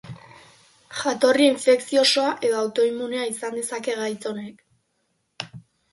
Jatorri infekziosoa edo autoimmunea izan dezake gaitz honek